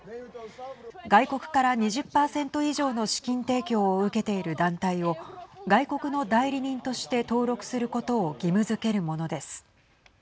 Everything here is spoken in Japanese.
外国から２０％以上の資金提供を受けている団体を外国の代理人として登録することを義務づけるものです。